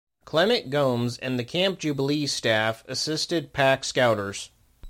Clement Gomes and the Camp Jubilee staff assisted Pack Scouters.